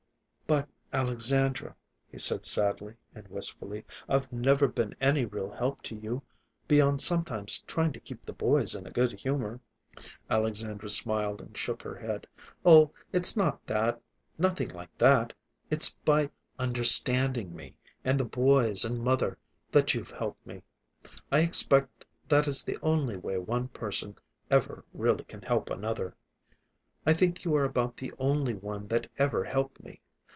"But, Alexandra," he said sadly and wistfully, "I've never been any real help to you, beyond sometimes trying to keep the boys in a good humor." Alexandra smiled and shook her head. "Oh, it's not that. Nothing like that. It's by understanding me, and the boys, and mother, that you've helped me. I expect that is the only way one person ever really can help another. I think you are about the only one that ever helped me.